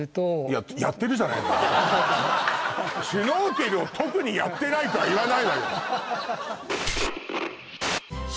シュノーケルを「特にやってない」とは言わないわよ